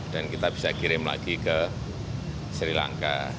kita bisa kirim lagi ke sri lanka